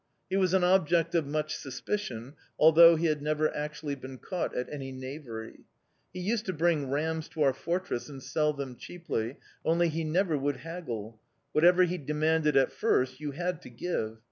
He was an object of much suspicion, although he had never actually been caught at any knavery. He used to bring rams to our fortress and sell them cheaply; only he never would haggle; whatever he demanded at first you had to give.